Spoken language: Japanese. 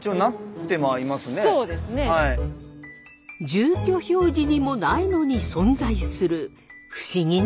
住居表示にもないのに存在する不思議なお名前。